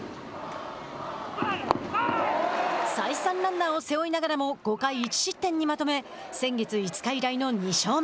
再三ランナーを背負いながらも５回１失点にまとめ先月５日以来の２勝目。